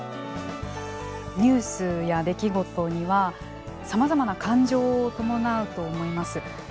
ニュースや出来事にはさまざまな感情を伴うと思います。